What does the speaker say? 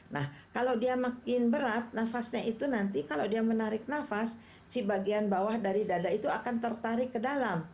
nah kalau dia makin berat nafasnya itu nanti kalau dia menarik nafas si bagian bawah dari dada itu akan tertarik ke dalam